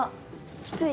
きつい？